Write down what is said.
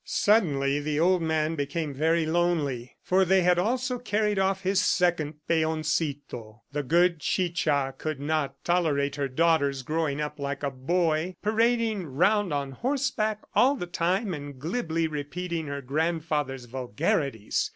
Suddenly the old man became very lonely, for they had also carried off his second "Peoncito." The good Chicha could not tolerate her daughter's growing up like a boy, parading 'round on horseback all the time, and glibly repeating her grandfather's vulgarities.